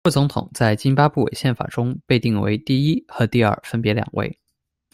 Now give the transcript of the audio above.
副总统在津巴布韦宪法中被定为“第一”和“第二”分别两位。